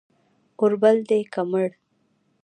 اور بل دی که مړ